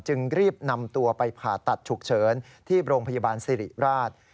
จึงรีบนำตัวไปผ่าตัดฉุกเฉินที่โรงพยาบาลสิริราช